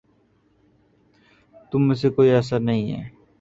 تم میں سے کوئی ایسا نہیں ہے